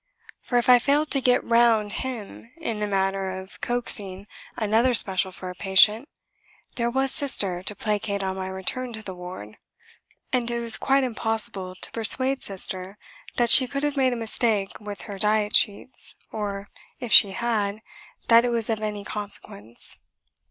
For if I failed to "get round" him in the matter of coaxing another special for a patient, there was Sister to placate on my return to the ward; and it was quite impossible to persuade Sister that she could have made a mistake with her diet sheets, or, if she had, that it was of any consequence.